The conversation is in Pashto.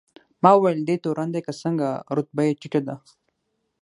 ما وویل: دی تورن دی که څنګه؟ رتبه یې ټیټه ده.